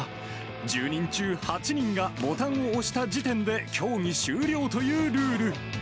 １０人中８人がボタンを押した時点で競技終了というルール。